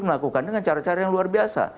melakukan dengan cara cara yang luar biasa